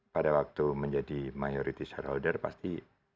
pada waktu menjadi mayorities shareholder pasti